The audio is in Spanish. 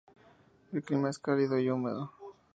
El clima es cálido y húmedo.